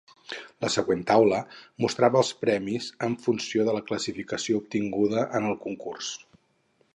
La següent taula mostra els premis en funció de la classificació obtinguda en el concurs.